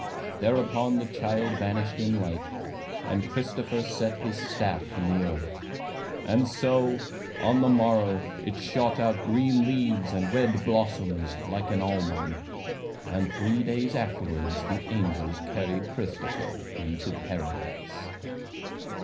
Thereupon the child vanished in light; and Christopher set his staff in the earth. And so, on the morrow, it shot out green leaves and red blossoms, like an almond. And three days afterwards the angels carried Christopher to Paradise."